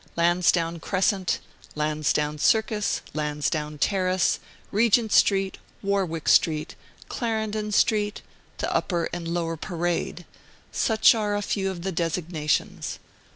Lansdowne Crescent, Lansdowne Circus, Lansdowne Terrace, Regent Street, Warwick Street, Clarendon Street, the Upper and Lower Parade: such are a few of the designations.